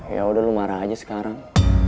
ya udah lu marah aja sekarang